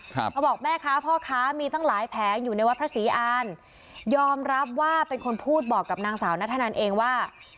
เขาบอกแม่ค้าพ่อค้ามีตั้งหลายแผงอยู่ในวัดพระศรีอานยอมรับว่าเป็นคนพูดบอกกับนางสาวนัทธนันเองว่า